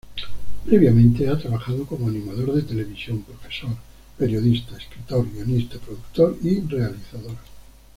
Previamente, ha trabajado como animador de televisión, profesor, periodista, escritor, guionista, productor y realizador.